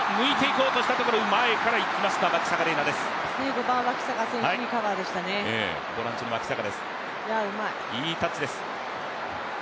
５番、脇坂選手、いいカバーでしたねいや、うまい。